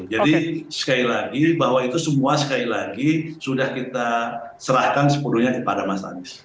jadi sekali lagi bahwa itu semua sekali lagi sudah kita serahkan sepenuhnya kepada mas anies